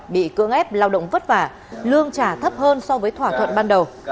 bị cưỡng ép lao động vất vả lương trả thấp hơn so với thỏa thuận ban đầu